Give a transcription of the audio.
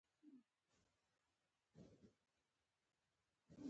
دا د ګډو بشري ارزښتونو مجموعې او قوانین دي.